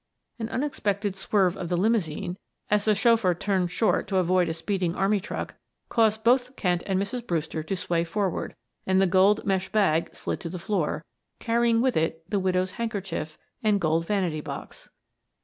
An unexpected swerve of the limousine, as the chauffeur turned short to avoid a speeding army truck, caused both Kent and Mrs. Brewster to sway forward and the gold mesh bag slid to the floor, carrying with it the widow's handkerchief and gold vanity box.